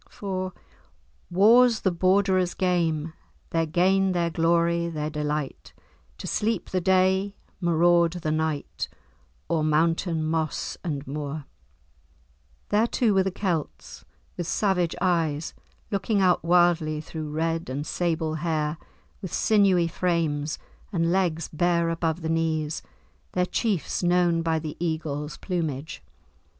for "War's the Borderer's game, Their gain, their glory, their delight, To sleep the day, maraud the night, O'er mountain, moss, and moor." [Illustration: Flodden Field] There, too, were the Celts, with savage eyes looking out wildly through red and sable hair, with sinewy frames and legs bare above the knees, their chiefs known by the eagle's plumage.